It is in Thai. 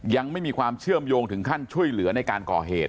ยังไม่มีความเชื่อมโยงถึงขั้นช่วยเหลือในการก่อเหตุ